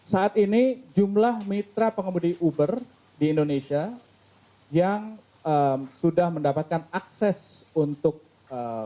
saat ini jumlah mitra pengemudi uber di indonesia yang sudah mendapatkan akses untuk